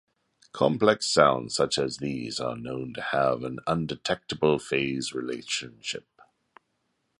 Complex sounds such as these are known to have an undetectable phase relationship.